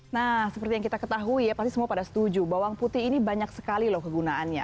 nah seperti yang kita ketahui ya pasti semua pada setuju bawang putih ini banyak sekali loh kegunaannya